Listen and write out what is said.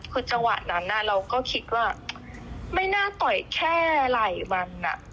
คือจังหวะนั้นเราก็คิดว่าไม่น่าต่อยแค่หลายวัน